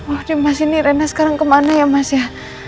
oh ini mas ini rena sekarang kemana ya mas ya